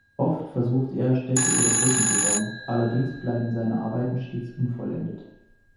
Oft versucht er, Städte oder Brücken zu bauen; allerdings bleiben seine Arbeiten stets unvollendet.